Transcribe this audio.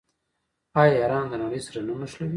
آیا ایران د نړۍ سره نه نښلوي؟